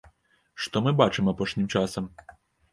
Што мы бачым апошнім часам?